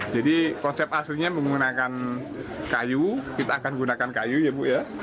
jadi konsep aslinya menggunakan kayu kita akan gunakan kayu ya bu ya